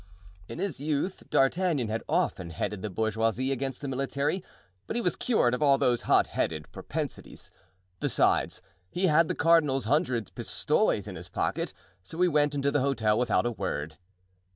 In his youth D'Artagnan had often headed the bourgeoisie against the military, but he was cured of all those hot headed propensities; besides, he had the cardinal's hundred pistoles in his pocket, so he went into the hotel without a word.